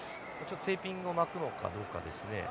テーピングを巻くのかどうかですね。